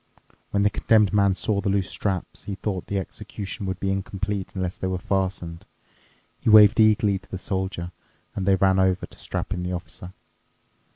When the Condemned Man saw the loose straps, he thought the execution would be incomplete unless they were fastened. He waved eagerly to the Soldier, and they ran over to strap in the Officer.